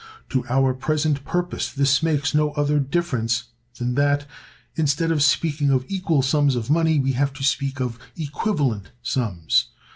To our present purpose this makes no other difference than that, instead of speaking of equal sums of money, we have to speak of equivalent sums.